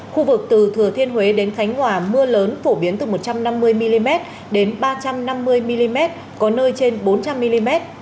khu vực từ thừa thiên huế đến khánh hòa mưa lớn phổ biến từ một trăm năm mươi mm đến ba trăm năm mươi mm có nơi trên bốn trăm linh mm